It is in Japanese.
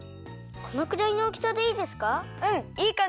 このくらいのおおきさでいいですか？